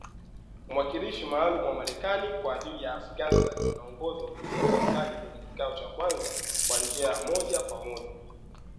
Mwakilishi maalum wa Marekani kwa ajili ya Afghanistan anaongoza ujumbe wa Marekani kwenye kikao cha kwanza kwa njia ya moja kwa moja.